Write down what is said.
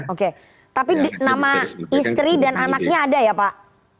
oke tapi nama istri dan anaknya ada ya pak